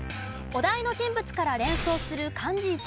お題の人物から連想する漢字